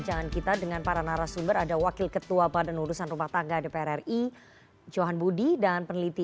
jangan kemana mana tetap bersama kami di